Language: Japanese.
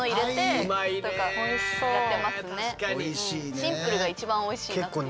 シンプルが一番おいしいなっていう。